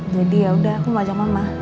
jadi yaudah aku mau ajak mama